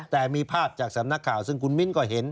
แต่มีภาพจากสำนักข่าวซึ่งคุณมิ้นก็เห็น